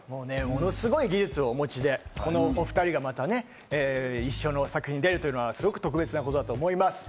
ものすごい技術をお持ちで、この２人がまたね、一緒の作品に出るというのが特別なことだと思います。